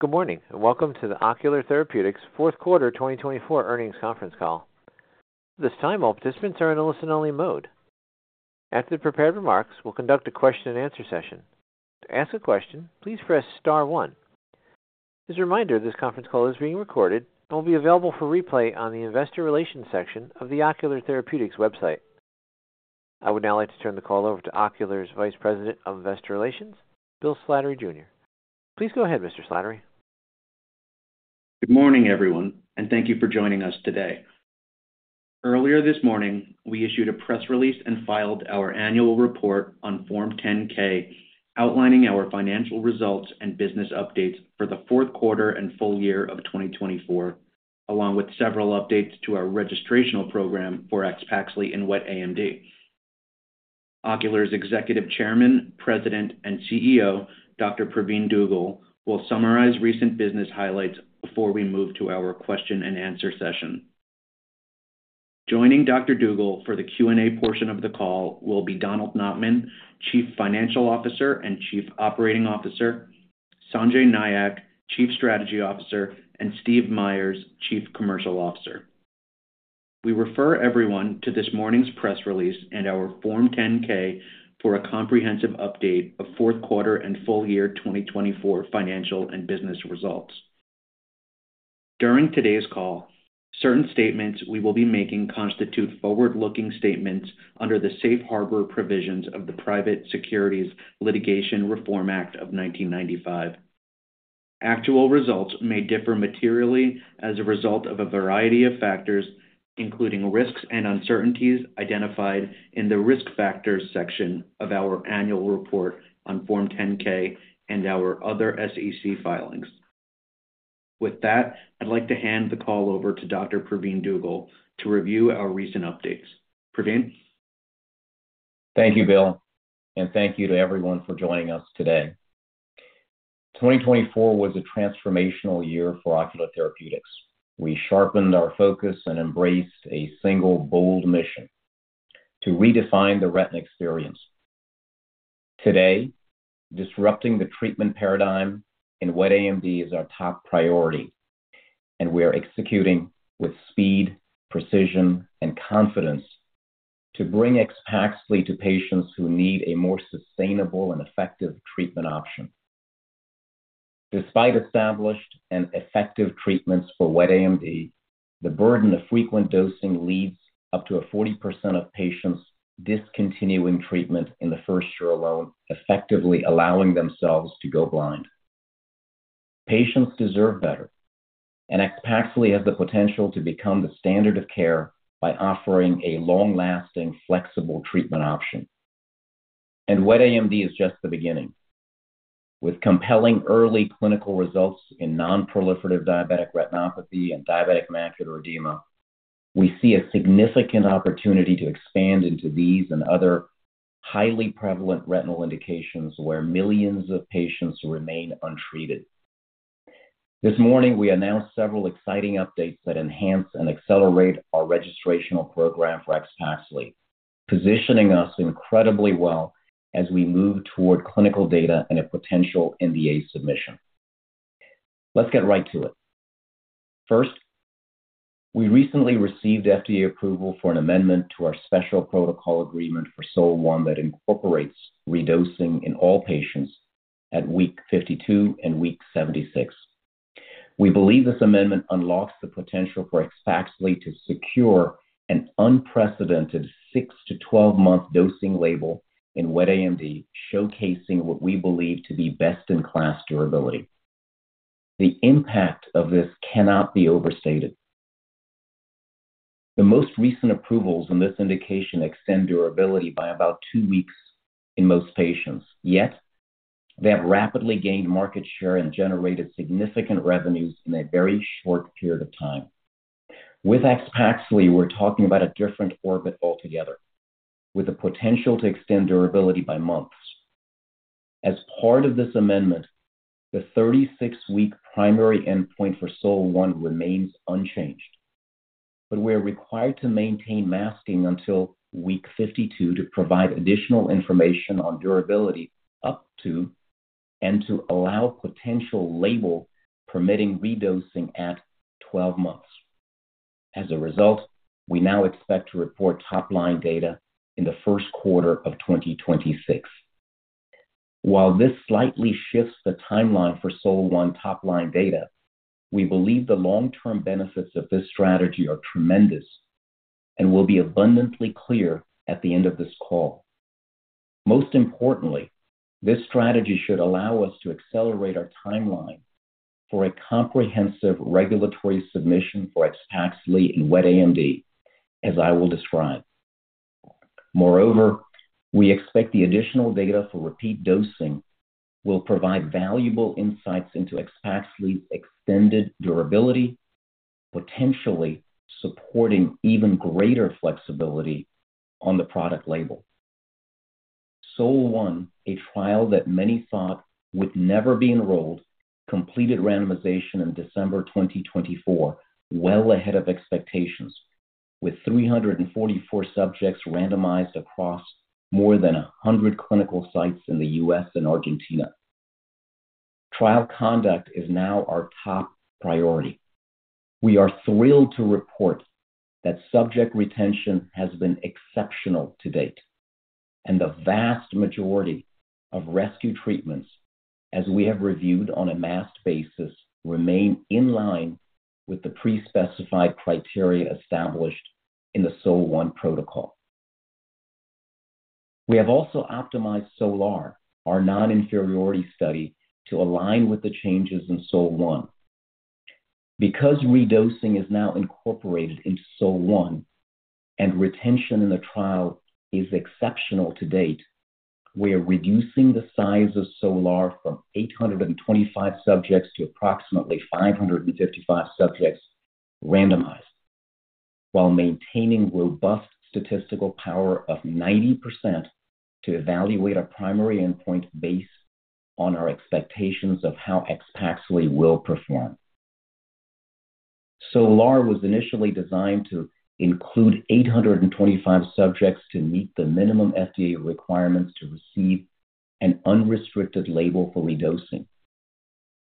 Good morning. Welcome to the Ocular Therapeutix Fourth Quarter 2024 earnings conference call. At this time, all participants are in a listen-only mode. After the prepared remarks, we'll conduct a question-and-answer session. To ask a question, please press star one. As a reminder, this conference call is being recorded and will be available for replay on the investor relations section of the Ocular Therapeutix website. I would now like to turn the call over to Ocular's Vice President of Investor Relations, Bill Slattery, Jr. Please go ahead, Mr. Slattery. Good morning, everyone, and thank you for joining us today. Earlier this morning, we issued a press release and filed our annual report on Form 10-K, outlining our financial results and business updates for the fourth quarter and full year of 2024, along with several updates to our registrational program for AXPAXLI and wet AMD. Ocular's Executive Chairman, President, and CEO, Dr. Pravin Dugel, will summarize recent business highlights before we move to our question-and-answer session. Joining Dr. Dugel for the Q&A portion of the call will be Donald Notman, Chief Financial Officer and Chief Operating Officer, Sanjay Nayak, Chief Strategy Officer, and Steve Meyers, Chief Commercial Officer. We refer everyone to this morning's press release and our Form 10-K for a comprehensive update of fourth quarter and full year 2024 financial and business results. During today's call, certain statements we will be making constitute forward-looking statements under the safe harbor provisions of the Private Securities Litigation Reform Act of 1995. Actual results may differ materially as a result of a variety of factors, including risks and uncertainties identified in the risk factors section of our annual report on Form 10-K and our other SEC filings. With that, I'd like to hand the call over to Dr. Pravin Dugel to review our recent updates. Pravin? Thank you, Bill, and thank you to everyone for joining us today. 2024 was a transformational year for Ocular Therapeutix. We sharpened our focus and embraced a single, bold mission: to redefine the retina experience. Today, disrupting the treatment paradigm in Wet AMD is our top priority, and we are executing with speed, precision, and confidence to bring AXPAXLI to patients who need a more sustainable and effective treatment option. Despite established and effective treatments for Wet AMD, the burden of frequent dosing leads up to 40% of patients discontinuing treatment in the first year alone, effectively allowing themselves to go blind. Patients deserve better, and AXPAXLI has the potential to become the standard of care by offering a long-lasting, flexible treatment option. And Wet AMD is just the beginning. With compelling early clinical results in non-proliferative diabetic retinopathy and diabetic macular edema, we see a significant opportunity to expand into these and other highly prevalent retinal indications where millions of patients remain untreated. This morning, we announced several exciting updates that enhance and accelerate our registrational program for AXPAXLI, positioning us incredibly well as we move toward clinical data and a potential NDA submission. Let's get right to it. First, we recently received FDA approval for an amendment to our special protocol agreement for SOL-1 that incorporates redosing in all patients at week 52 and week 76. We believe this amendment unlocks the potential for AXPAXLI to secure an unprecedented 6- to 12-month dosing label in Wet AMD, showcasing what we believe to be best-in-class durability. The impact of this cannot be overstated. The most recent approvals in this indication extend durability by about two weeks in most patients. Yet, they have rapidly gained market share and generated significant revenues in a very short period of time. With AXPAXLI, we're talking about a different orbit altogether, with the potential to extend durability by months. As part of this amendment, the 36-week primary endpoint for SOL-1 remains unchanged, but we are required to maintain masking until week 52 to provide additional information on durability up to and to allow potential label-permitting redosing at 12 months. As a result, we now expect to report top-line data in the first quarter of 2026. While this slightly shifts the timeline for SOL-1 top-line data, we believe the long-term benefits of this strategy are tremendous and will be abundantly clear at the end of this call. Most importantly, this strategy should allow us to accelerate our timeline for a comprehensive regulatory submission for AXPAXLI in wet AMD, as I will describe. Moreover, we expect the additional data for repeat dosing will provide valuable insights into AXPAXLI's extended durability, potentially supporting even greater flexibility on the product label. SOL-1, a trial that many thought would never be enrolled, completed randomization in December 2024, well ahead of expectations, with 344 subjects randomized across more than 100 clinical sites in the U.S. and Argentina. Trial conduct is now our top priority. We are thrilled to report that subject retention has been exceptional to date, and the vast majority of rescue treatments, as we have reviewed on a masked basis, remain in line with the pre-specified criteria established in the SOL-1 protocol. We have also optimized SOLAR, our non-inferiority study, to align with the changes in SOL-1. Because redosing is now incorporated into SOL-1 and retention in the trial is exceptional to date, we are reducing the size of SOLAR from 825 subjects to approximately 555 subjects randomized, while maintaining robust statistical power of 90% to evaluate our primary endpoint based on our expectations of how AXPAXLI will perform. SOLAR was initially designed to include 825 subjects to meet the minimum FDA requirements to receive an unrestricted label for redosing.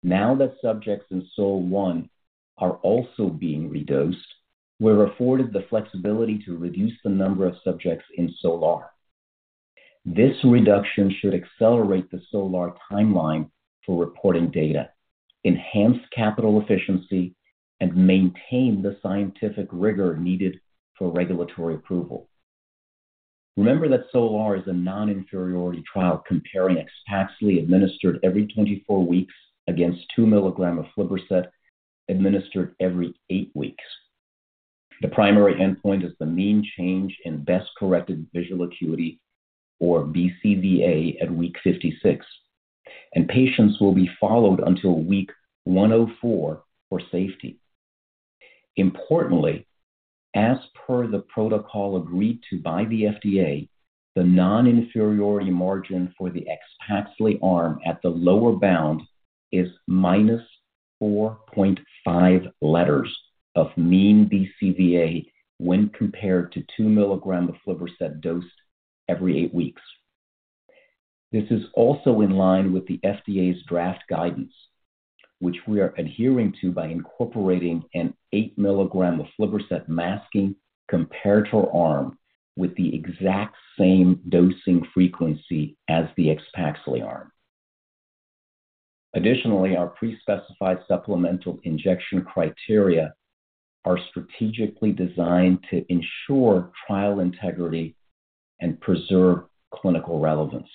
Now that subjects in SOL-1 are also being redosed, we're afforded the flexibility to reduce the number of subjects in SOLAR. This reduction should accelerate the SOLAR timeline for reporting data, enhance capital efficiency, and maintain the scientific rigor needed for regulatory approval. Remember that SOLAR is a non-inferiority trial comparing AXPAXLI administered every 24 weeks against 2 mg of Aflibercept administered every 8 weeks. The primary endpoint is the mean change in best-corrected visual acuity, or BCVA, at week 56, and patients will be followed until week 104 for safety. Importantly, as per the protocol agreed to by the FDA, the non-inferiority margin for the AXPAXLI arm at the lower bound is minus 4.5 letters of mean BCVA when compared to 2 mg of aflibercept dosed every 8 weeks. This is also in line with the FDA's draft guidance, which we are adhering to by incorporating an 8 mg of aflibercept masking comparator arm with the exact same dosing frequency as the AXPAXLI arm. Additionally, our pre-specified supplemental injection criteria are strategically designed to ensure trial integrity and preserve clinical relevance.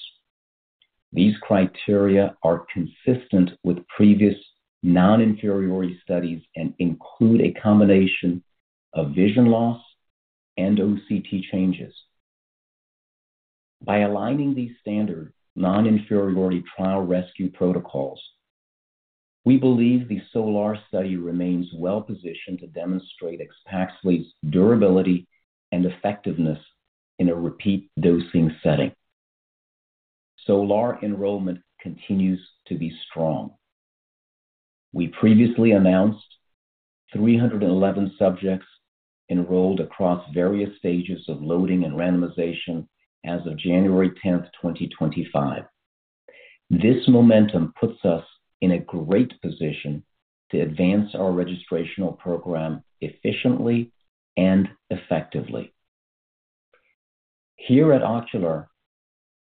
These criteria are consistent with previous non-inferiority studies and include a combination of vision loss and OCT changes. By aligning these standard non-inferiority trial rescue protocols, we believe the SOLAR study remains well-positioned to demonstrate AXPAXLI's durability and effectiveness in a repeat dosing setting. SOLAR enrollment continues to be strong. We previously announced 311 subjects enrolled across various stages of loading and randomization as of January 10, 2025. This momentum puts us in a great position to advance our registrational program efficiently and effectively. Here at Ocular,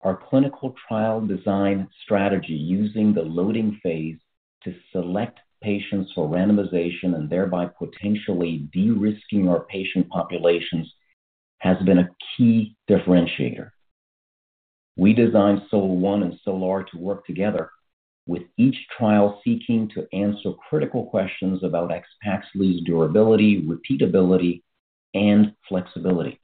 our clinical trial design strategy using the loading phase to select patients for randomization and thereby potentially de-risking our patient populations has been a key differentiator. We designed SOL-1 and SOLAR to work together, with each trial seeking to answer critical questions about AXPAXLI's durability, repeatability, and flexibility.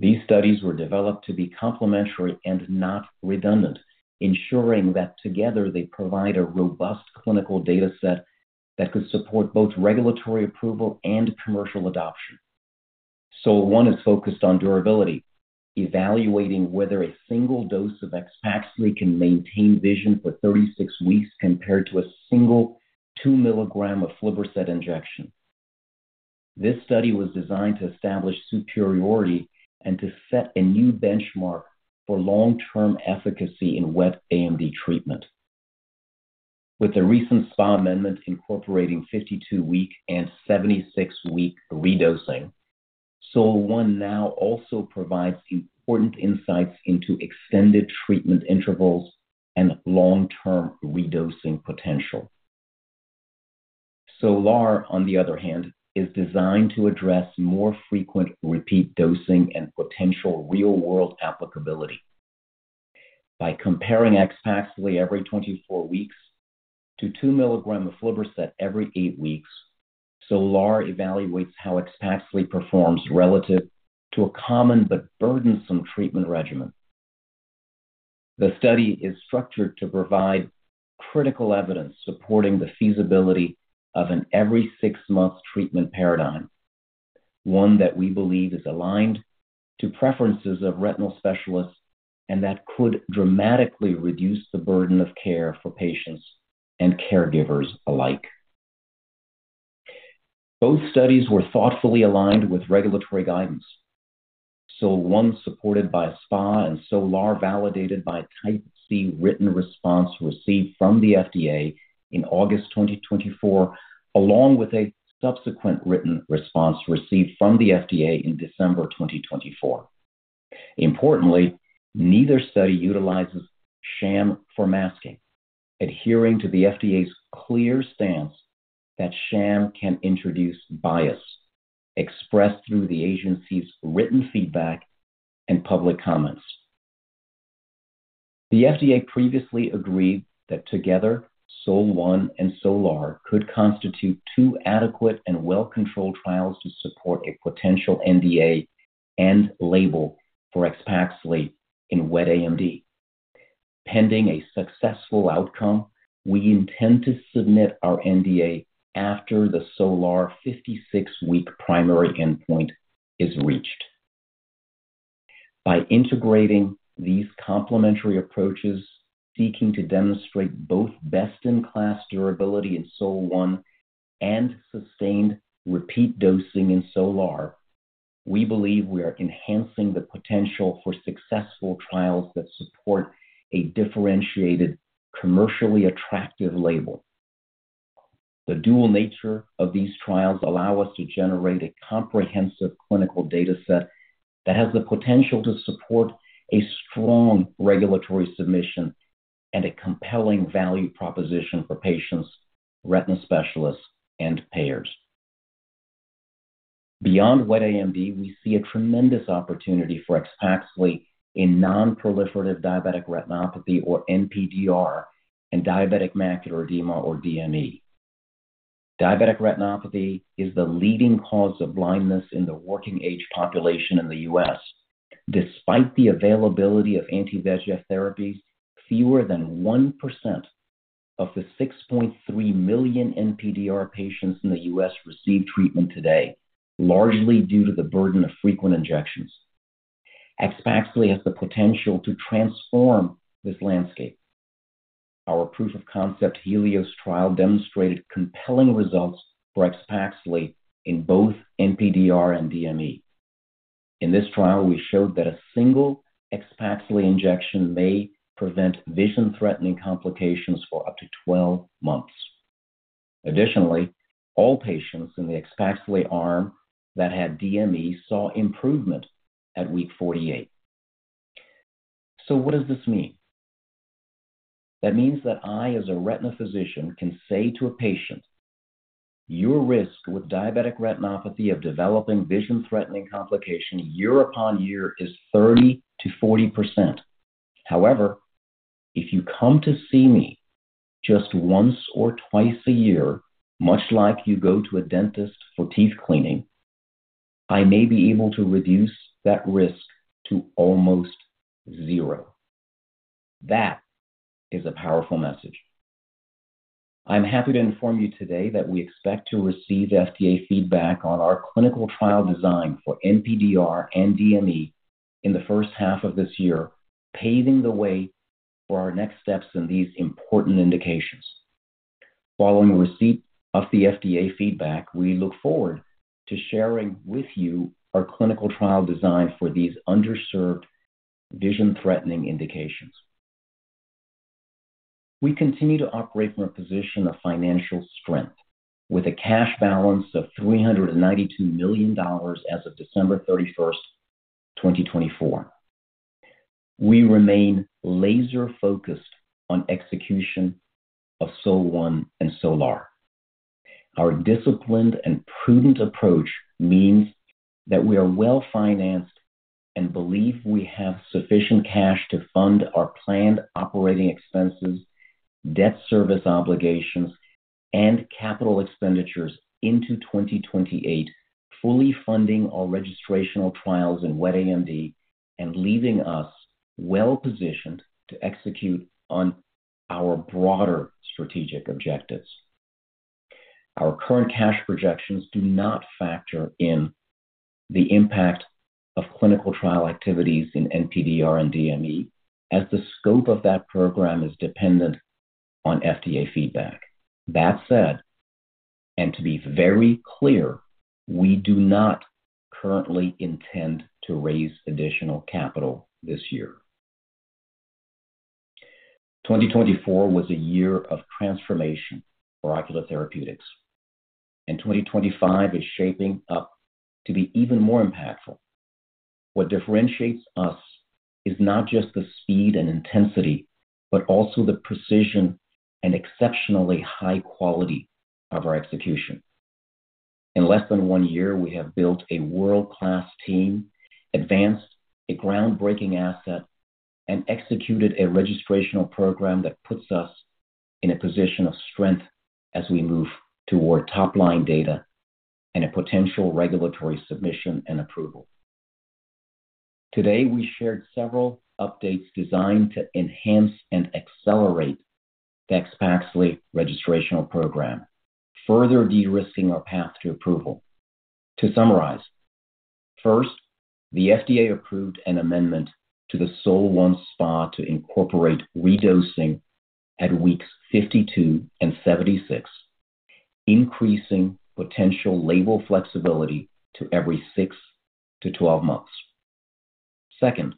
These studies were developed to be complementary and not redundant, ensuring that together they provide a robust clinical dataset that could support both regulatory approval and commercial adoption. SOL-1 is focused on durability, evaluating whether a single dose of AXPAXLI can maintain vision for 36 weeks compared to a single 2 mg of aflibercept injection. This study was designed to establish superiority and to set a new benchmark for long-term efficacy in Wet AMD treatment. With the recent SPA amendment incorporating 52-week and 76-week redosing, SOL-1 now also provides important insights into extended treatment intervals and long-term redosing potential. SOLAR, on the other hand, is designed to address more frequent repeat dosing and potential real-world applicability. By comparing AXPAXLI every 24 weeks to 2 mg of aflibercept every 8 weeks, SOLAR evaluates how AXPAXLI performs relative to a common but burdensome treatment regimen. The study is structured to provide critical evidence supporting the feasibility of an every-six-month treatment paradigm, one that we believe is aligned to preferences of retinal specialists and that could dramatically reduce the burden of care for patients and caregivers alike. Both studies were thoughtfully aligned with regulatory guidance. SOL-1, supported by SPA and SOLAR, validated by a Type C written response received from the FDA in August 2024, along with a subsequent written response received from the FDA in December 2024. Importantly, neither study utilizes sham for masking, adhering to the FDA's clear stance that sham can introduce bias, expressed through the agency's written feedback and public comments. The FDA previously agreed that together, SOL-1 and SOLAR could constitute two adequate and well-controlled trials to support a potential NDA and label for AXPAXLI in Wet AMD. Pending a successful outcome, we intend to submit our NDA after the SOLAR 56-week primary endpoint is reached. By integrating these complementary approaches, seeking to demonstrate both best-in-class durability in SOL-1 and sustained repeat dosing in SOLAR, we believe we are enhancing the potential for successful trials that support a differentiated, commercially attractive label. The dual nature of these trials allows us to generate a comprehensive clinical dataset that has the potential to support a strong regulatory submission and a compelling value proposition for patients, retina specialists, and payers. Beyond Wet AMD, we see a tremendous opportunity for AXPAXLI in non-proliferative diabetic retinopathy, or NPDR, and diabetic macular edema, or DME. Diabetic retinopathy is the leading cause of blindness in the working-age population in the U.S. Despite the availability of anti-VEGF therapies, fewer than 1% of the 6.3 million NPDR patients in the U.S. receive treatment today, largely due to the burden of frequent injections. AXPAXLI has the potential to transform this landscape. Our proof-of-concept Helios trial demonstrated compelling results for AXPAXLI in both NPDR and DME. In this trial, we showed that a single AXPAXLI injection may prevent vision-threatening complications for up to 12 months. Additionally, all patients in the AXPAXLI arm that had DME saw improvement at week 48. So what does this mean?. That means that I, as a retina physician, can say to a patient, "Your risk with diabetic retinopathy of developing vision-threatening complication year upon year is 30%-40%. However, if you come to see me just once or twice a year, much like you go to a dentist for teeth cleaning, I may be able to reduce that risk to almost zero." That is a powerful message. I'm happy to inform you today that we expect to receive FDA feedback on our clinical trial design for NPDR and DME in the first half of this year, paving the way for our next steps in these important indications. Following receipt of the FDA feedback, we look forward to sharing with you our clinical trial design for these underserved vision-threatening indications. We continue to operate from a position of financial strength, with a cash balance of $392 million as of December 31, 2024. We remain laser-focused on execution of SOL-1 and SOLAR. Our disciplined and prudent approach means that we are well-financed and believe we have sufficient cash to fund our planned operating expenses, debt service obligations, and capital expenditures into 2028, fully funding our registrational trials in Wet AMD and leaving us well-positioned to execute on our broader strategic objectives. Our current cash projections do not factor in the impact of clinical trial activities in NPDR and DME, as the scope of that program is dependent on FDA feedback. That said, and to be very clear, we do not currently intend to raise additional capital this year. 2024 was a year of transformation for Ocular Therapeutix, and 2025 is shaping up to be even more impactful. What differentiates us is not just the speed and intensity, but also the precision and exceptionally high quality of our execution. In less than one year, we have built a world-class team, advanced a groundbreaking asset, and executed a registrational program that puts us in a position of strength as we move toward top-line data and a potential regulatory submission and approval. Today, we shared several updates designed to enhance and accelerate the AXPAXLI registrational program, further de-risking our path to approval. To summarize, first, the FDA approved an amendment to the SOL-1 SPA to incorporate redosing at weeks 52 and 76, increasing potential label flexibility to every six to 12 months. Second,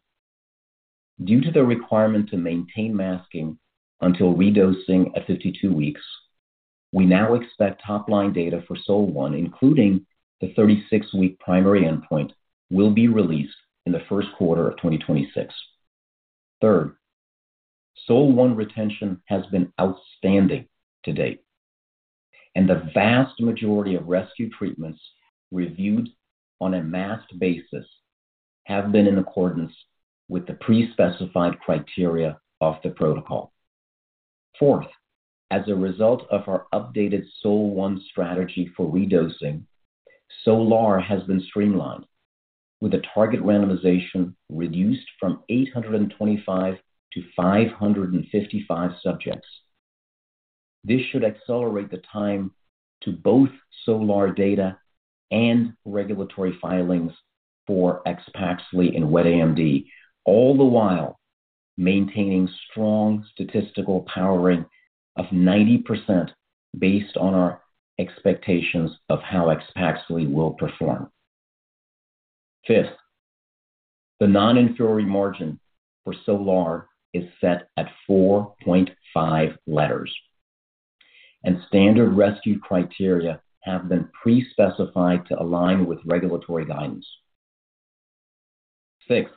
due to the requirement to maintain masking until redosing at 52 weeks, we now expect top-line data for SOL-1, including the 36-week primary endpoint, will be released in the first quarter of 2026. Third, SOL-1 retention has been outstanding to date, and the vast majority of rescue treatments reviewed on a masked basis have been in accordance with the pre-specified criteria of the protocol. Fourth, as a result of our updated SOL-1 strategy for redosing, SOLAR has been streamlined, with a target randomization reduced from 825 to 555 subjects. This should accelerate the time to both SOLAR data and regulatory filings for AXPAXLI in Wet AMD, all the while maintaining strong statistical powering of 90% based on our expectations of how AXPAXLI will perform. Fifth, the non-inferiority margin for SOLAR is set at 4.5 letters, and standard rescue criteria have been pre-specified to align with regulatory guidance. Sixth,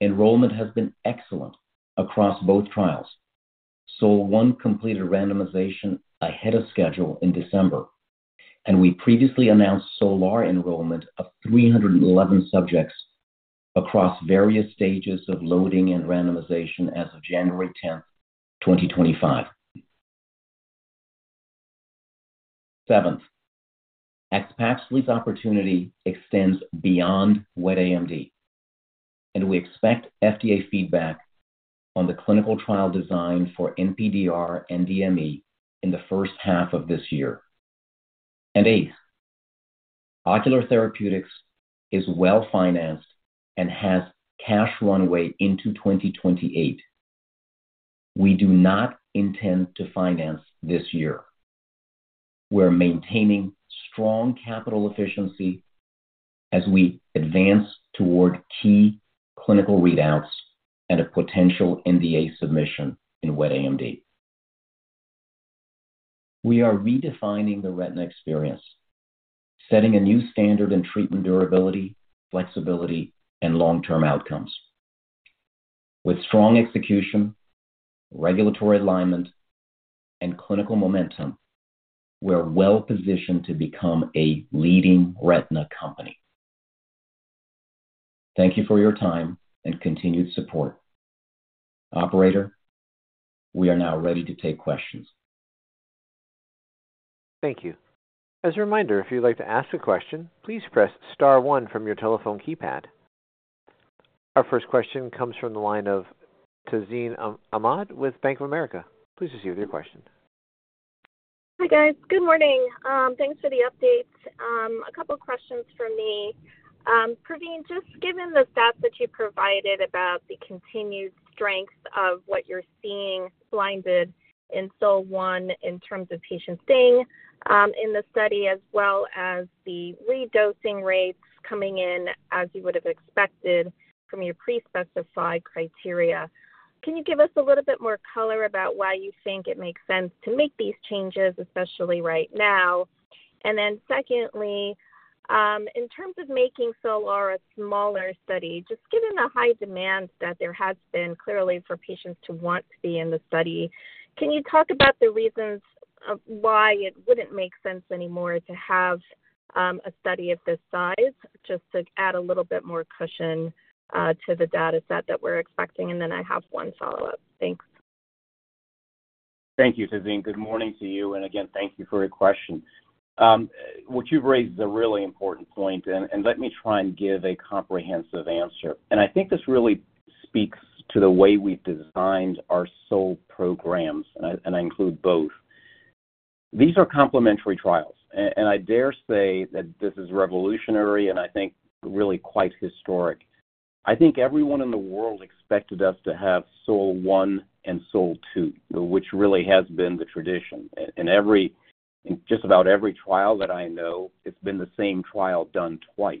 enrollment has been excellent across both trials. SOL-1 completed randomization ahead of schedule in December, and we previously announced SOLAR enrollment of 311 subjects across various stages of loading and randomization as of January 10, 2025. Seventh, AXPAXLI's opportunity extends beyond Wet AMD, and we expect FDA feedback on the clinical trial design for NPDR and DME in the first half of this year. Eighth, Ocular Therapeutix is well-financed and has cash runway into 2028. We do not intend to finance this year. We're maintaining strong capital efficiency as we advance toward key clinical readouts and a potential NDA submission in Wet AMD. We are redefining the retina experience, setting a new standard in treatment durability, flexibility, and long-term outcomes. With strong execution, regulatory alignment, and clinical momentum, we're well-positioned to become a leading retina company. Thank you for your time and continued support. Operator, we are now ready to take questions. Thank you. As a reminder, if you'd like to ask a question, please press star one from your telephone keypad. Our first question comes from the line of Tazeen Ahmad with Bank of America. Please proceed with your question. Hi, guys. Good morning. Thanks for the updates. A couple of questions for me. Pravin, just given the stats that you provided about the continued strength of what you're seeing blinded in SOL-1 in terms of patients staying in the study, as well as the redosing rates coming in as you would have expected from your pre-specified criteria, can you give us a little bit more color about why you think it makes sense to make these changes, especially right now? And then secondly, in terms of making SOLAR a smaller study, just given the high demand that there has been clearly for patients to want to be in the study, can you talk about the reasons why it wouldn't make sense anymore to have a study of this size, just to add a little bit more cushion to the data set that we're expecting? And then I have one follow-up. Thanks. Thank you, Tazeen. Good morning to you. And again, thank you for your question. What you've raised is a really important point, and let me try and give a comprehensive answer. And I think this really speaks to the way we've designed our SOL programs, and I include both. These are complementary trials, and I dare say that this is revolutionary and I think really quite historic. I think everyone in the world expected us to have SOL-1 and SOLAR, which really has been the tradition. In just about every trial that I know, it's been the same trial done twice.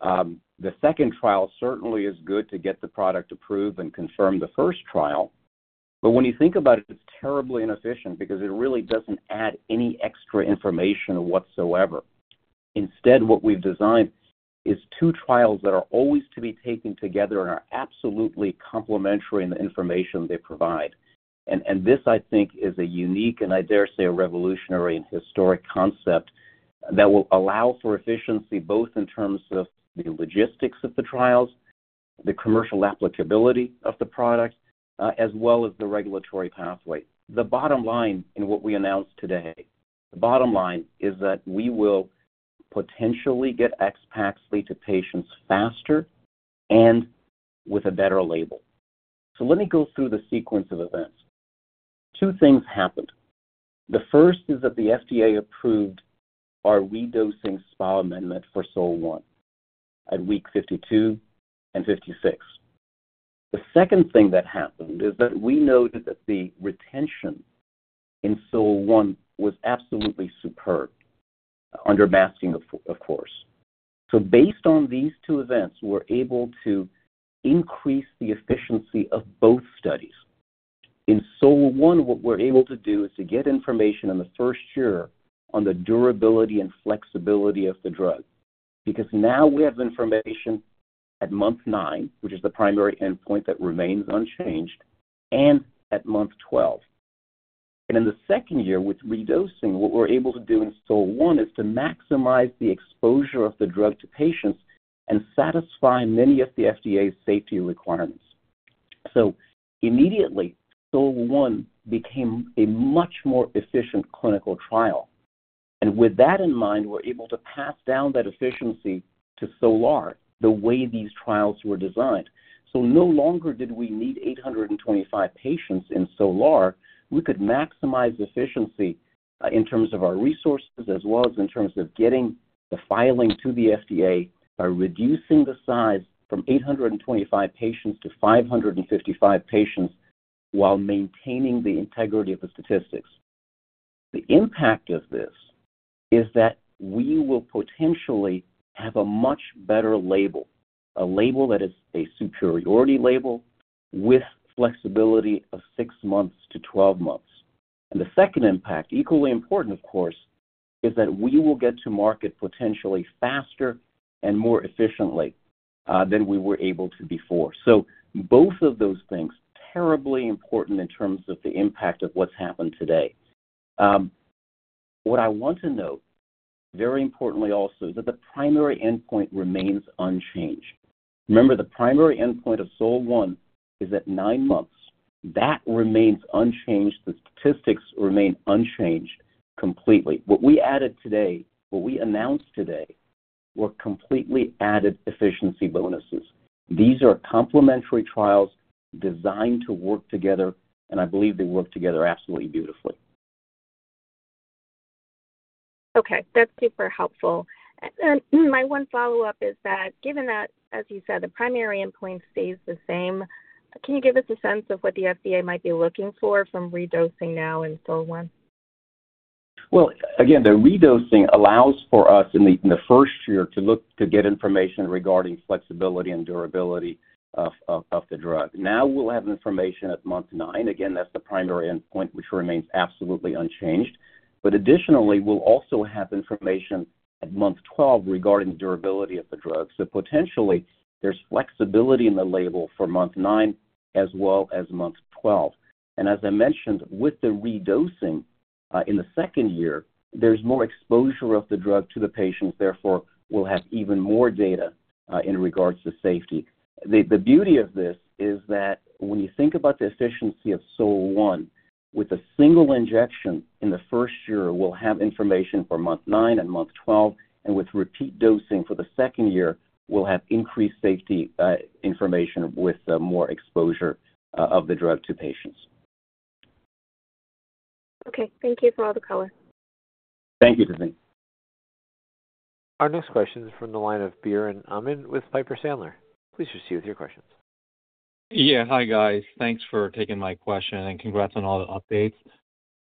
The second trial certainly is good to get the product approved and confirm the first trial, but when you think about it, it's terribly inefficient because it really doesn't add any extra information whatsoever. Instead, what we've designed is two trials that are always to be taken together and are absolutely complementary in the information they provide, and this, I think, is a unique, and I dare say a revolutionary and historic concept that will allow for efficiency both in terms of the logistics of the trials, the commercial applicability of the product, as well as the regulatory pathway. The bottom line in what we announced today, the bottom line is that we will potentially get AXPAXLI to patients faster and with a better label, so let me go through the sequence of events. Two things happened. The first is that the FDA approved our redosing SPA amendment for SOL-1 at week 52 and 56. The second thing that happened is that we noted that the retention in SOL-1 was absolutely superb, under masking, of course. So based on these two events, we're able to increase the efficiency of both studies. In SOL-1, what we're able to do is to get information in the first year on the durability and flexibility of the drug because now we have information at month nine, which is the primary endpoint that remains unchanged, and at month 12. And in the second year, with redosing, what we're able to do in SOL-1 is to maximize the exposure of the drug to patients and satisfy many of the FDA's safety requirements. So immediately, SOL-1 became a much more efficient clinical trial. And with that in mind, we're able to pass down that efficiency to SOLAR the way these trials were designed. So no longer did we need 825 patients in SOLAR. We could maximize efficiency in terms of our resources as well as in terms of getting the filing to the FDA by reducing the size from 825 patients to 555 patients while maintaining the integrity of the statistics. The impact of this is that we will potentially have a much better label, a label that is a superiority label with flexibility of six months to 12 months, and the second impact, equally important, of course, is that we will get to market potentially faster and more efficiently than we were able to before, so both of those things, terribly important in terms of the impact of what's happened today. What I want to note, very importantly also, is that the primary endpoint remains unchanged. Remember, the primary endpoint of SOL-1 is at nine months. That remains unchanged. The statistics remain unchanged completely. What we added today, what we announced today, were completely added efficiency bonuses. These are complementary trials designed to work together, and I believe they work together absolutely beautifully. Okay. That's super helpful, and my one follow-up is that given that, as you said, the primary endpoint stays the same, can you give us a sense of what the FDA might be looking for from redosing now in SOL-1? Again, the redosing allows for us in the first year to look to get information regarding flexibility and durability of the drug. Now we'll have information at month nine. Again, that's the primary endpoint, which remains absolutely unchanged. Additionally, we'll also have information at month 12 regarding the durability of the drug. Potentially, there's flexibility in the label for month nine as well as month 12. As I mentioned, with the redosing in the second year, there's more exposure of the drug to the patients, therefore, we'll have even more data in regards to safety. The beauty of this is that when you think about the efficiency of SOL-1, with a single injection in the first year, we'll have information for month nine and month 12, and with repeat dosing for the second year, we'll have increased safety information with more exposure of the drug to patients. Okay. Thank you for all the color. Thank you, Tazeen. Our next question is from the line of Biren Amin with Piper Sandler. Please proceed with your questions. Yeah. Hi, guys. Thanks for taking my question and congrats on all the updates.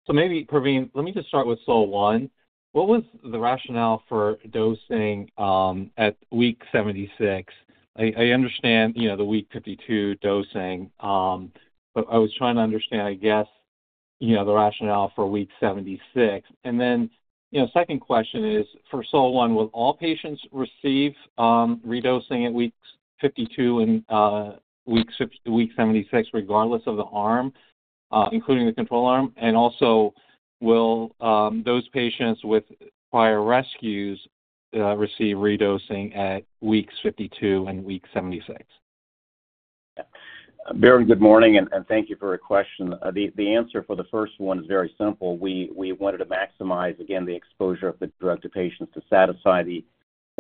So maybe, Pravin, let me just start with SOL-1. What was the rationale for dosing at week 76? I understand the week 52 dosing, but I was trying to understand, I guess, the rationale for week 76. And then second question is, for SOL-1, will all patients receive redosing at weeks 52 and week 76 regardless of the arm, including the control arm? And also, will those patients with prior rescues receive redosing at weeks 52 and week 76? Yeah. Very good morning, and thank you for your question. The answer for the first one is very simple. We wanted to maximize, again, the exposure of the drug to patients to satisfy the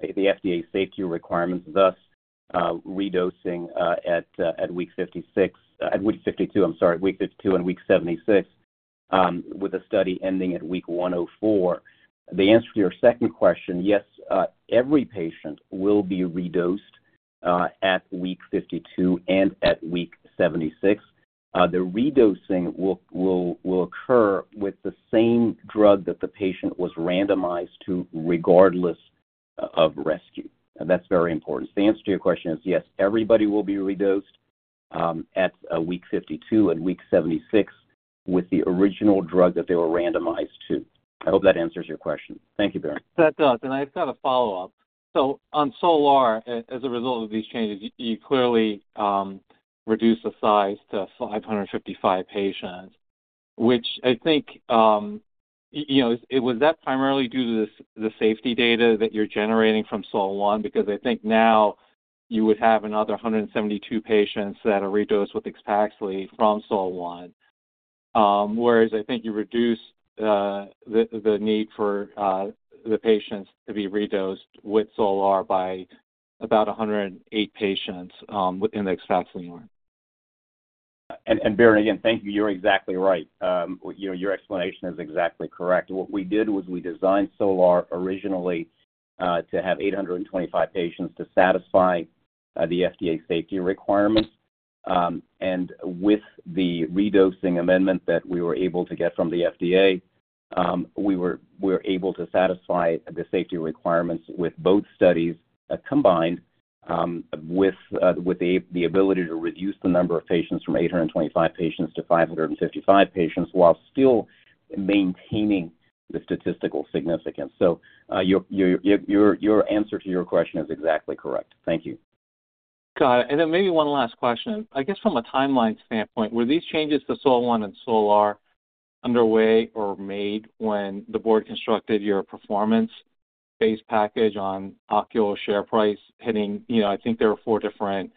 FDA safety requirements, thus redosing at week 56 at week 52, I'm sorry, week 52 and week 76, with a study ending at week 104. The answer to your second question, yes, every patient will be redosed at week 52 and at week 76. The redosing will occur with the same drug that the patient was randomized to regardless of rescue. And that's very important. So the answer to your question is yes, everybody will be redosed at week 52 and week 76 with the original drug that they were randomized to. I hope that answers your question. Thank you, Barry. That does. And I've got a follow-up. So on SOLAR, as a result of these changes, you clearly reduced the size to 555 patients, which I think was that primarily due to the safety data that you're generating from SOL-1? Because I think now you would have another 172 patients that are redosed with AXPAXLI from SOL-1, whereas I think you reduced the need for the patients to be redosed with SOLAR by about 108 patients within the AXPAXLI arm. Yeah. And Barry, again, thank you. You're exactly right. Your explanation is exactly correct. What we did was we designed SOLAR originally to have 825 patients to satisfy the FDA safety requirements. And with the redosing amendment that we were able to get from the FDA, we were able to satisfy the safety requirements with both studies combined with the ability to reduce the number of patients from 825 patients to 555 patients while still maintaining the statistical significance. So your answer to your question is exactly correct. Thank you. Got it. And then maybe one last question. I guess from a timeline standpoint, were these changes to SOL-1 and SOLAR underway or made when the board constructed your performance-based package on Ocul share price hitting I think there were four different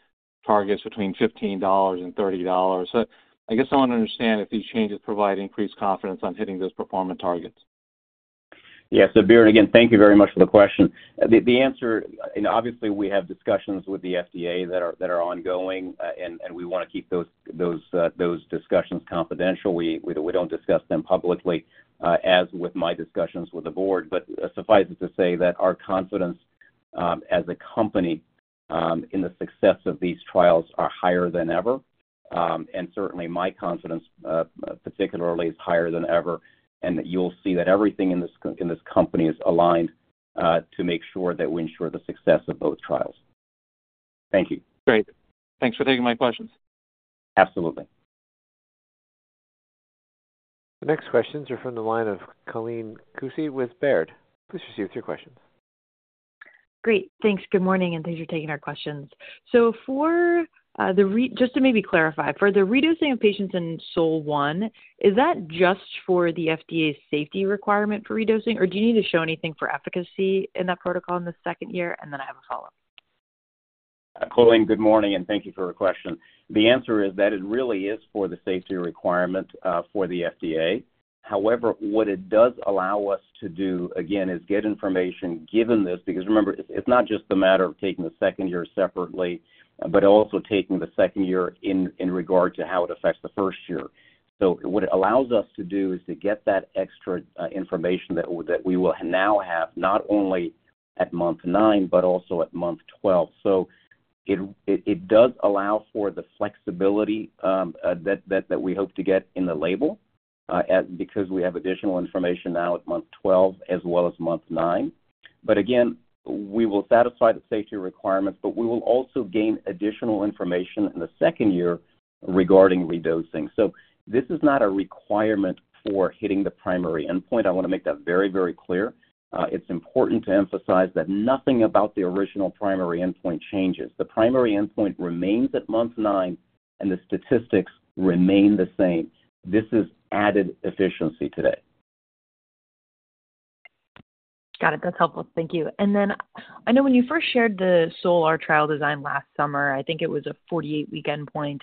targets between $15 and $30. So I guess I want to understand if these changes provide increased confidence on hitting those performance targets? Yes. So, Barry, again, thank you very much for the question. The answer, obviously, we have discussions with the FDA that are ongoing, and we want to keep those discussions confidential. We don't discuss them publicly, as with my discussions with the board. But suffice it to say that our confidence as a company in the success of these trials is higher than ever. And certainly, my confidence particularly is higher than ever. And you'll see that everything in this company is aligned to make sure that we ensure the success of both trials. Thank you. Great. Thanks for taking my questions. Absolutely. The next questions are from the line of Colleen Kusy with Baird. Please proceed with your questions. Great. Thanks. Good morning, and thanks for taking our questions. So just to maybe clarify, for the redosing of patients in SOL-1, is that just for the FDA safety requirement for redosing, or do you need to show anything for efficacy in that protocol in the second year? And then I have a follow-up. Colleen, good morning, and thank you for your question. The answer is that it really is for the safety requirement for the FDA. However, what it does allow us to do, again, is get information given this because remember, it's not just the matter of taking the second year separately, but also taking the second year in regard to how it affects the first year. So what it allows us to do is to get that extra information that we will now have not only at month nine, but also at month 12. So it does allow for the flexibility that we hope to get in the label because we have additional information now at month 12 as well as month nine. But again, we will satisfy the safety requirements, but we will also gain additional information in the second year regarding redosing. This is not a requirement for hitting the primary endpoint. I want to make that very, very clear. It's important to emphasize that nothing about the original primary endpoint changes. The primary endpoint remains at month nine, and the statistics remain the same. This is added efficiency today. Got it. That's helpful. Thank you. And then I know when you first shared the SOLAR trial design last summer, I think it was a 48-week endpoint,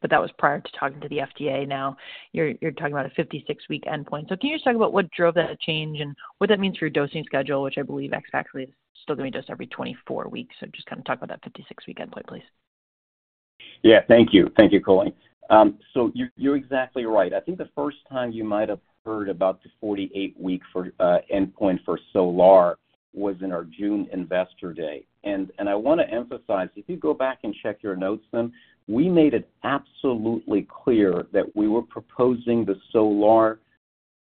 but that was prior to talking to the FDA. Now you're talking about a 56-week endpoint. So can you just talk about what drove that change and what that means for your dosing schedule, which I believe AXPAXLI is still going to be dosed every 24 weeks? So just kind of talk about that 56-week endpoint, please. Yeah. Thank you. Thank you, Colleen, so you're exactly right. I think the first time you might have heard about the 48-week endpoint for SOLAR was in our June investor day, and I want to emphasize, if you go back and check your notes, then, we made it absolutely clear that we were proposing the SOLAR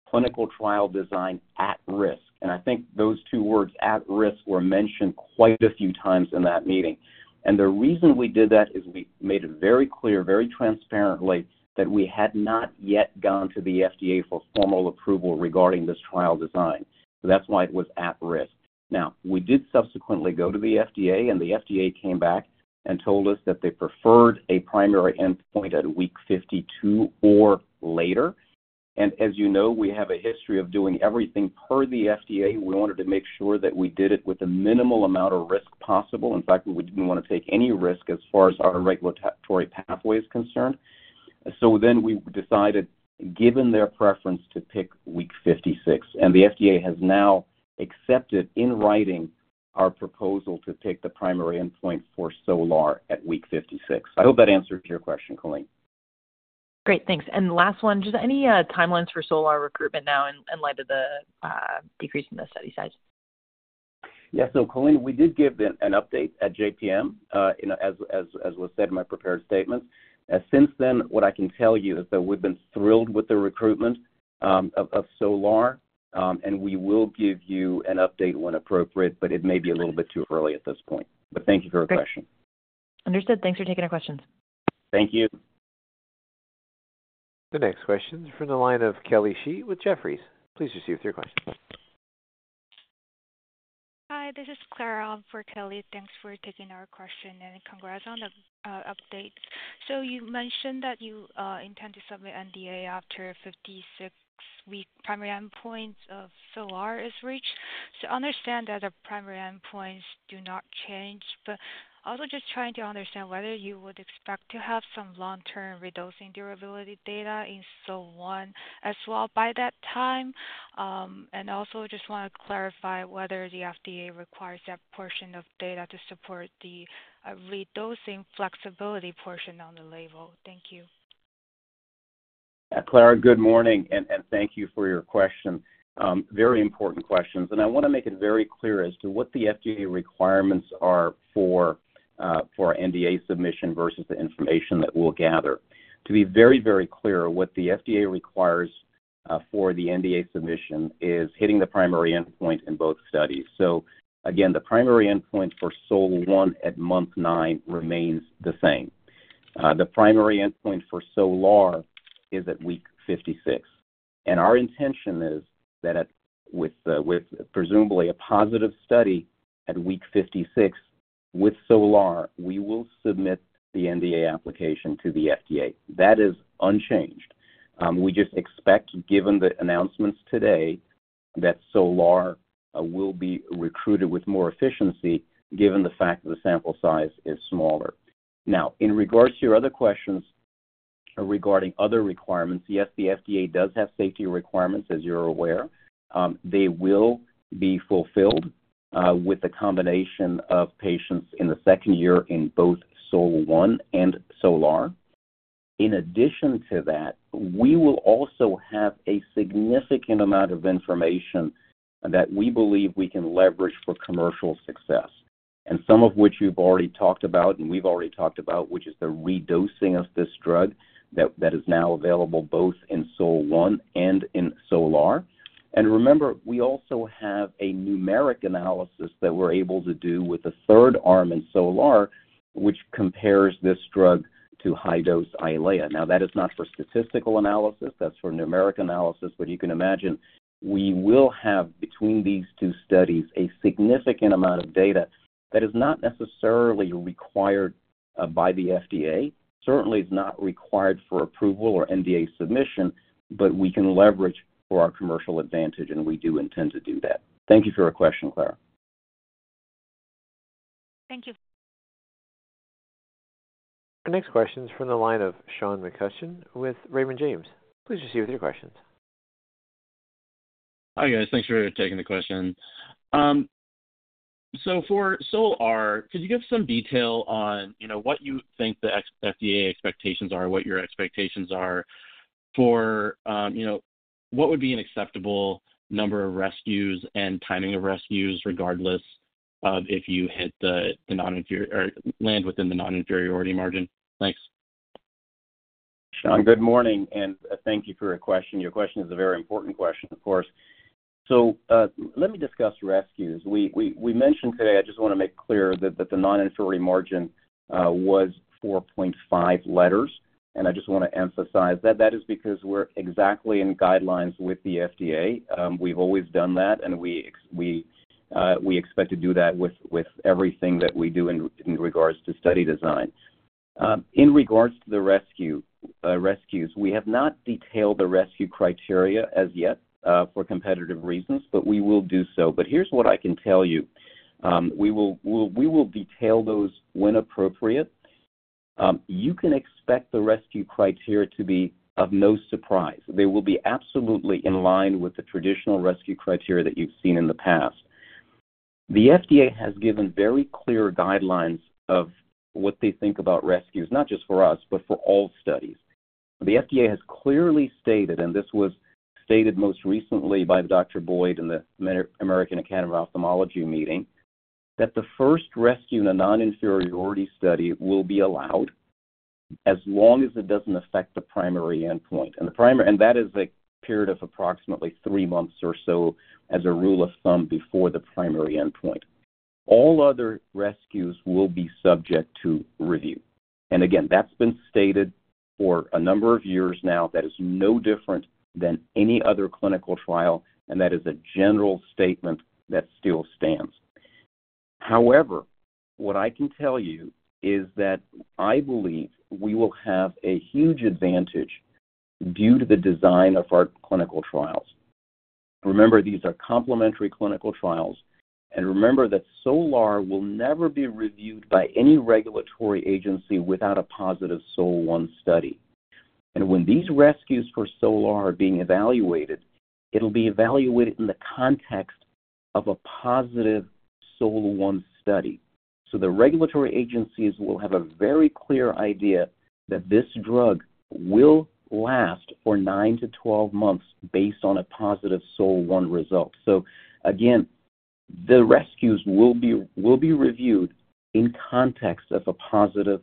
clinical trial design at risk, and I think those two words, at risk, were mentioned quite a few times in that meeting, and the reason we did that is we made it very clear, very transparently, that we had not yet gone to the FDA for formal approval regarding this trial design, so that's why it was at risk. Now, we did subsequently go to the FDA, and the FDA came back and told us that they preferred a primary endpoint at week 52 or later. As you know, we have a history of doing everything per the FDA. We wanted to make sure that we did it with the minimal amount of risk possible. In fact, we didn't want to take any risk as far as our regulatory pathway is concerned. Then we decided, given their preference, to pick week 56. The FDA has now accepted in writing our proposal to pick the primary endpoint for SOLAR at week 56. I hope that answers your question, Colleen. Great. Thanks. And last one, just any timelines for SOLAR recruitment now in light of the decrease in the study size? Yes. So Colleen, we did give an update at JPM, as was said in my prepared statements. Since then, what I can tell you is that we've been thrilled with the recruitment of SOLAR, and we will give you an update when appropriate, but it may be a little bit too early at this point. But thank you for your question. Okay. Understood. Thanks for taking our questions. Thank you. The next question is from the line of Kelly Shi with Jefferies. Please proceed with your question. Hi. This is Clara for Kelly. Thanks for taking our question and congrats on the updates. So you mentioned that you intend to submit NDA after 56-week primary endpoint of SOLAR is reached. So I understand that the primary endpoints do not change, but also just trying to understand whether you would expect to have some long-term redosing durability data in SOL-1 as well by that time. And also just want to clarify whether the FDA requires that portion of data to support the redosing flexibility portion on the label. Thank you. Clara, good morning, and thank you for your question. Very important questions, and I want to make it very clear as to what the FDA requirements are for NDA submission versus the information that we'll gather. To be very, very clear, what the FDA requires for the NDA submission is hitting the primary endpoint in both studies, so again, the primary endpoint for SOL-1 at month nine remains the same. The primary endpoint for SOLAR is at week 56, and our intention is that with presumably a positive study at week 56 with SOLAR, we will submit the NDA application to the FDA. That is unchanged. We just expect, given the announcements today, that SOLAR will be recruited with more efficiency given the fact that the sample size is smaller. Now, in regards to your other questions regarding other requirements, yes, the FDA does have safety requirements, as you're aware. They will be fulfilled with a combination of patients in the second year in both SOL-1 and SOLAR. In addition to that, we will also have a significant amount of information that we believe we can leverage for commercial success, and some of which you've already talked about and we've already talked about, which is the redosing of this drug that is now available both in SOL-1 and in SOLAR. Remember. We also have a numeric analysis that we're able to do with a third arm in SOLAR, which compares this drug to high-dose Eylea. Now, that is not for statistical analysis. That's for numeric analysis. But you can imagine we will have, between these two studies, a significant amount of data that is not necessarily required by the FDA. Certainly, it's not required for approval or NDA submission, but we can leverage for our commercial advantage, and we do intend to do that. Thank you for your question, Clara. Thank you. The next question is from the line of Sean McCutcheon with Raymond James. Please proceed with your questions. Hi, guys. Thanks for taking the question. So for SOLAR, could you give some detail on what you think the FDA expectations are, what your expectations are for what would be an acceptable number of rescues and timing of rescues regardless of if you hit the non-inferiority or land within the non-inferiority margin? Thanks. Sean, good morning, and thank you for your question. Your question is a very important question, of course. So let me discuss rescues. We mentioned today, I just want to make clear that the non-inferiority margin was 4.5 letters. And I just want to emphasize that. That is because we're exactly in guidelines with the FDA. We've always done that, and we expect to do that with everything that we do in regards to study design. In regards to the rescues, we have not detailed the rescue criteria as yet for competitive reasons, but we will do so. But here's what I can tell you. We will detail those when appropriate. You can expect the rescue criteria to be of no surprise. They will be absolutely in line with the traditional rescue criteria that you've seen in the past. The FDA has given very clear guidelines of what they think about rescues, not just for us, but for all studies. The FDA has clearly stated, and this was stated most recently by Dr. Boyd in the American Academy of Ophthalmology meeting, that the first rescue in a non-inferiority study will be allowed as long as it doesn't affect the primary endpoint, and that is a period of approximately three months or so, as a rule of thumb, before the primary endpoint. All other rescues will be subject to review, and again, that's been stated for a number of years now. That is no different than any other clinical trial, and that is a general statement that still stands. However, what I can tell you is that I believe we will have a huge advantage due to the design of our clinical trials. Remember, these are complementary clinical trials. And remember that SOLAR will never be reviewed by any regulatory agency without a positive SOL-1 study. And when these rescues for SOLAR are being evaluated, it'll be evaluated in the context of a positive SOL-1 study. So the regulatory agencies will have a very clear idea that this drug will last for nine to 12 months based on a positive SOL-1 result. So again, the rescues will be reviewed in context of a positive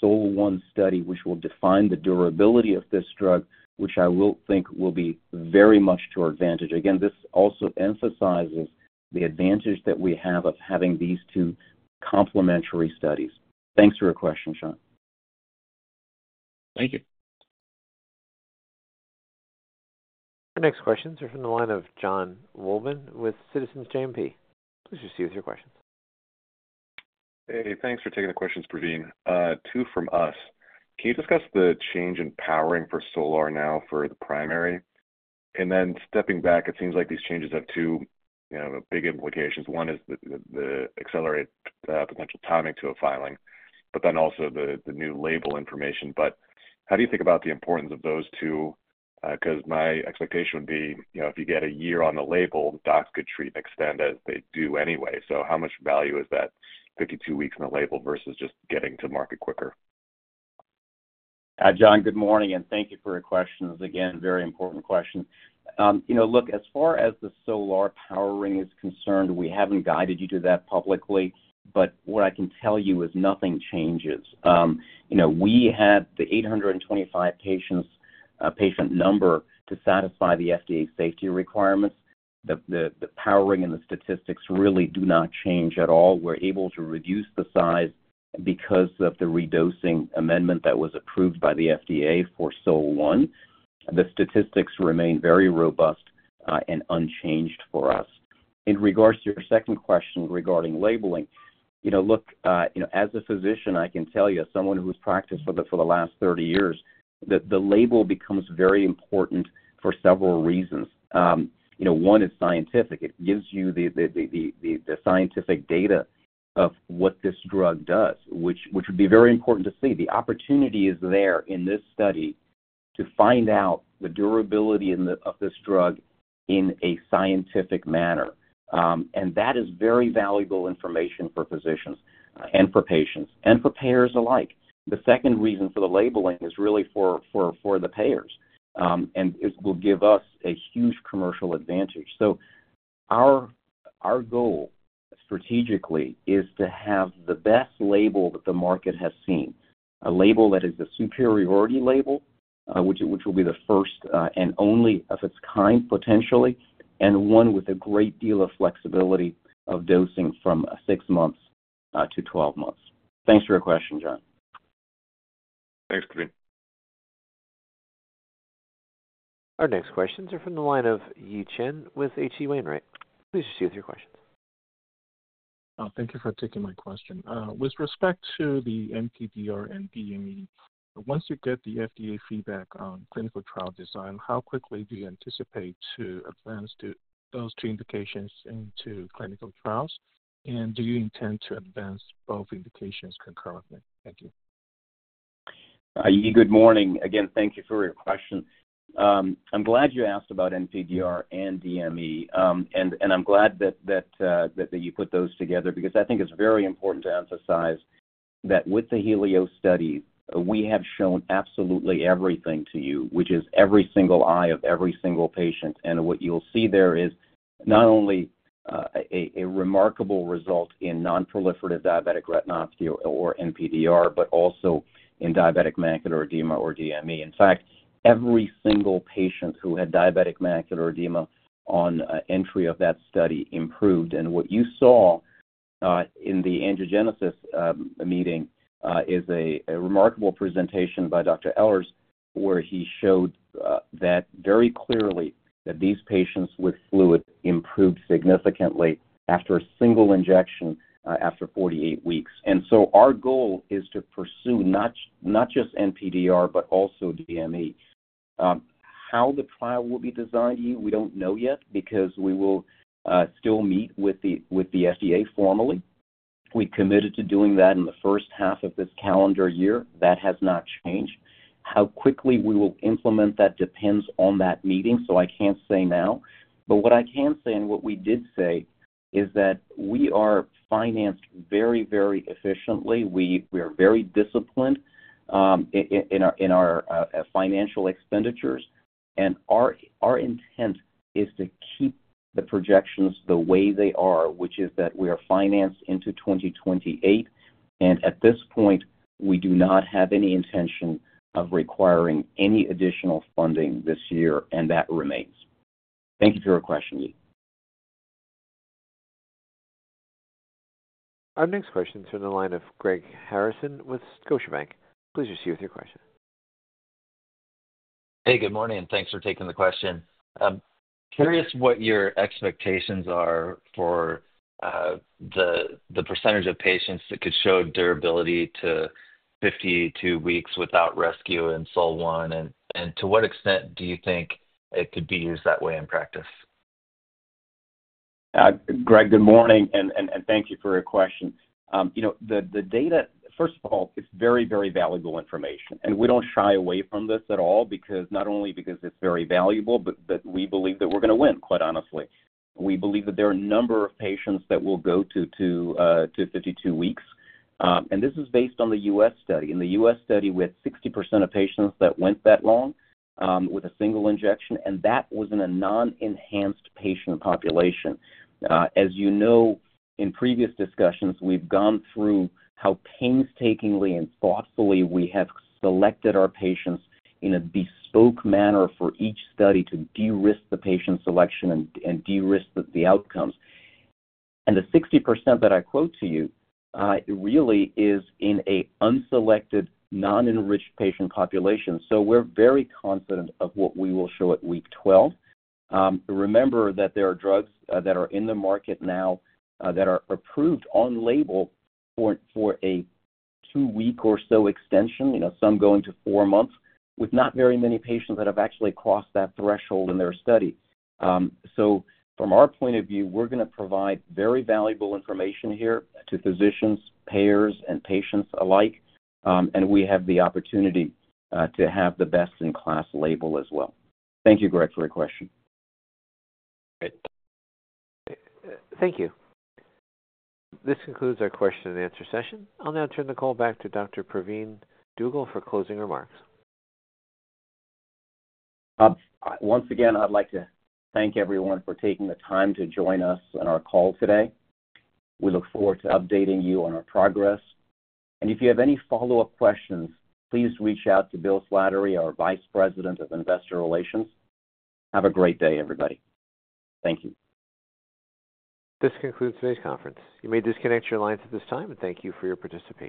SOL-1 study, which will define the durability of this drug, which I will think will be very much to our advantage. Again, this also emphasizes the advantage that we have of having these two complementary studies. Thanks for your question, Sean. Thank you. The next questions are from the line of Jon Wolleben with Citizens JMP. Please proceed with your questions. Hey. Thanks for taking the questions, Pravin. Two from us. Can you discuss the change in powering for SOLAR now for the primary? And then stepping back, it seems like these changes have two big implications. One is the accelerated potential timing to a filing, but then also the new label information. But how do you think about the importance of those two? Because my expectation would be if you get a year on the label, the docs could treat and extend as they do anyway. So how much value is that 52 weeks on the label versus just getting to market quicker? Jon, good morning, and thank you for your questions. Again, very important question. Look, as far as the SOLAR powering is concerned, we haven't guided you to that publicly. But what I can tell you is nothing changes. We had the 825 patients' patient number to satisfy the FDA safety requirements. The powering and the statistics really do not change at all. We're able to reduce the size because of the redosing amendment that was approved by the FDA for SOL-1. The statistics remain very robust and unchanged for us. In regards to your second question regarding labeling, look, as a physician, I can tell you, as someone who has practiced for the last 30 years, that the label becomes very important for several reasons. One is scientific. It gives you the scientific data of what this drug does, which would be very important to see. The opportunity is there in this study to find out the durability of this drug in a scientific manner, and that is very valuable information for physicians and for patients and for payers alike. The second reason for the labeling is really for the payers, and it will give us a huge commercial advantage, so our goal strategically is to have the best label that the market has seen, a label that is a superiority label, which will be the first and only of its kind, potentially, and one with a great deal of flexibility of dosing from six months to 12 months. Thanks for your question, Jon. Thanks, Pravin. Our next questions are from the line of Yi Chen with H.C. Wainwright, right? Please proceed with your questions. Thank you for taking my question. With respect to the NPDR and DME, once you get the FDA feedback on clinical trial design, how quickly do you anticipate to advance those two indications into clinical trials? And do you intend to advance both indications concurrently? Thank you. Yi, good morning. Again, thank you for your question. I'm glad you asked about NPDR and DME, and I'm glad that you put those together because I think it's very important to emphasize that with the Helios studies, we have shown absolutely everything to you, which is every single eye of every single patient, and what you'll see there is not only a remarkable result in non-proliferative diabetic retinopathy or NPDR, but also in diabetic macular edema or DME. In fact, every single patient who had diabetic macular edema on entry of that study improved, and what you saw in the Angiogenesis meeting is a remarkable presentation by Dr. Ehlers, where he showed that very clearly that these patients with fluid improved significantly after a single injection after 48 weeks, and so our goal is to pursue not just NPDR, but also DME. How the trial will be designed, Yi, we don't know yet because we will still meet with the FDA formally. We committed to doing that in the first half of this calendar year. That has not changed. How quickly we will implement that depends on that meeting, so I can't say now, but what I can say and what we did say is that we are financed very, very efficiently. We are very disciplined in our financial expenditures, and our intent is to keep the projections the way they are, which is that we are financed into 2028, and at this point, we do not have any intention of requiring any additional funding this year, and that remains. Thank you for your question, Yi. Our next question is from the line of Greg Harrison with Scotiabank. Please proceed with your question. Hey, good morning, and thanks for taking the question. Curious what your expectations are for the percentage of patients that could show durability to 52 weeks without rescue in SOL-1, and to what extent do you think it could be used that way in practice? Greg, good morning, and thank you for your question. The data, first of all, is very, very valuable information. And we don't shy away from this at all not only because it's very valuable, but we believe that we're going to win, quite honestly. We believe that there are a number of patients that will go to 52 weeks. And this is based on the US study. In the US study, we had 60% of patients that went that long with a single injection, and that was in a non-enhanced patient population. As you know, in previous discussions, we've gone through how painstakingly and thoughtfully we have selected our patients in a bespoke manner for each study to de-risk the patient selection and de-risk the outcomes, and the 60% that I quote to you really is in an unselected, non-enriched patient population, so we're very confident of what we will show at week 12. Remember that there are drugs that are in the market now that are approved on label for a two-week or so extension, some going to four months, with not very many patients that have actually crossed that threshold in their study, so from our point of view, we're going to provide very valuable information here to physicians, payers, and patients alike, and we have the opportunity to have the best-in-class label as well. Thank you, Greg, for your question. Great. Thank you. This concludes our question-and-answer session. I'll now turn the call back to Dr. Pravin Dugel for closing remarks. Once again, I'd like to thank everyone for taking the time to join us on our call today. We look forward to updating you on our progress. And if you have any follow-up questions, please reach out to Bill Slattery, our Vice President of Investor Relations. Have a great day, everybody. Thank you. This concludes today's conference. You may disconnect your lines at this time, and thank you for your participation.